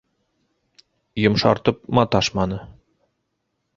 Йомшартып маташманы.